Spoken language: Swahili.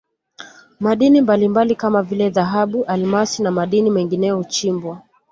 madini mbalimbali kama vile dhahabu almasi na madini mengineyo huchimbwa